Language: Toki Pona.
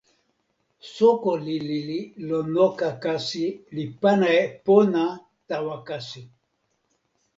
soko lili li lon noka kasi li pana e pona tawa kasi.